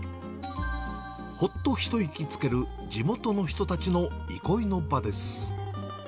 ほっと一息つける、地元の人たちの憩いの場です。